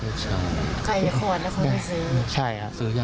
เทศชายฮะ